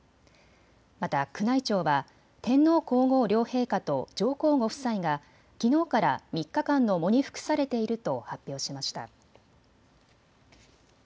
また宮内庁は天皇皇后両陛下と上皇ご夫妻がきのうから３日間の喪に服されていると発表しました。